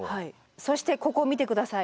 そしてここを見てください。